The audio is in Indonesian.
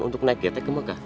untuk naik kereta ke mekah